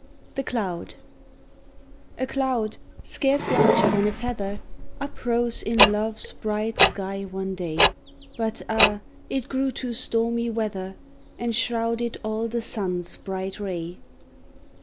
THE CLOUD A Cloud scarce larger than a feather Uprose in Love's bright sky one day, But, ah, it grew to stormy weather And shrouded all the sun's bright ray!